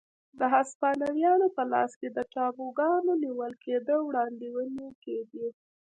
د هسپانویانو په لاس د ټاپوګانو نیول کېدو وړاندوېنې کېدې.